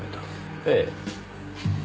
ええ。